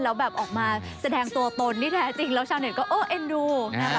แล้วแบบออกมาแสดงตัวตนที่แท้จริงแล้วชาวเน็ตก็โอ้เอ็นดูนะคะ